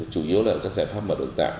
chủ yếu là các giải pháp mở đường tạng